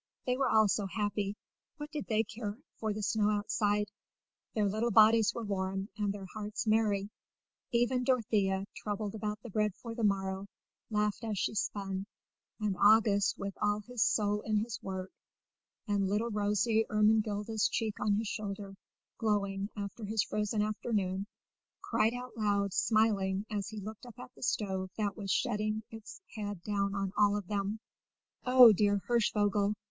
They were all so happy: what did they care for the snow outside? Their little bodies were warm, and their hearts merry; even Dorothea, troubled about the bread for the morrow, laughed as she spun; and August, with all his soul in his work, and little rosy Ermengilda's cheek on his shoulder, glowing after his frozen afternoon, cried out loud, smiling, as he looked up at the stove that was shedding its head down on them all: "Oh, dear Hirschvogel!